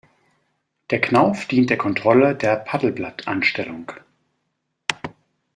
Der Knauf dient der Kontrolle der Paddelblatt-Anstellung.